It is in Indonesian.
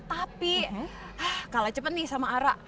tapi kalah cepet nih sama ara